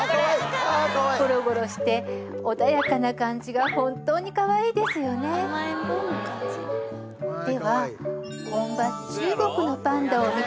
ゴロゴロして穏やかな感じが本当にかわいいですよねでは本場